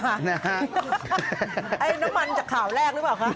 น้ำมันจากข่าวแรกรึเปล่าครับ